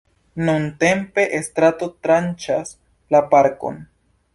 Nuntempe strato tranĉas la parkon.